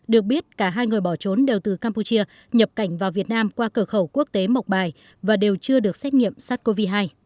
được biết cả hai người bỏ trốn đều từ campuchia nhập cảnh vào việt nam qua cửa khẩu quốc tế mộc bài và đều chưa được xét nghiệm sars cov hai